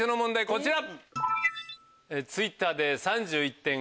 こちら。